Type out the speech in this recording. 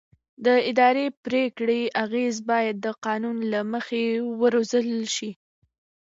د اداري پرېکړې اغېز باید د قانون له مخې وارزول شي.